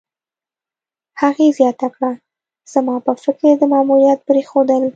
هغې زیاته کړه: "زما په فکر، د ماموریت پرېښودل